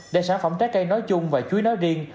để sản phẩm trái cây nói chung và chuối nói riêng